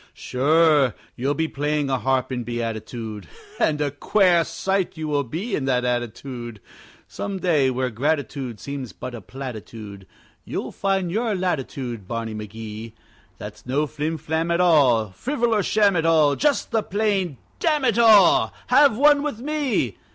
Sure, you'll be playing a harp in beatitude (And a quare sight you will be in that attitude) Some day, where gratitude seems but a platitude, You'll find your latitude, Barney McGee. That's no flim flam at all, Frivol or sham at all, Just the plain Damn it all, Have one with me!